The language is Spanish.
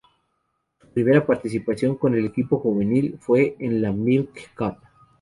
Su primera participación con el equipo juvenil fue en la Milk Cup.